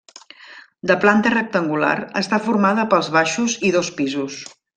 De planta rectangular està formada pels baixos i dos pisos.